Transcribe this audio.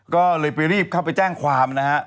ก็เลยรีบเข้าไปแจ้งความนะครับ